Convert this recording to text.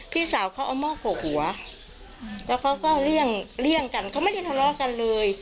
พี่สาวเขาเอาหม้อโขกหัวแล้วเขาก็เลี่ยงกันเขาไม่ได้ทะเลาะกันเลย